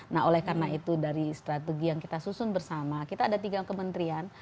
nah oleh karena itu dari strategi yang kita susun bersama kita ada tiga kementerian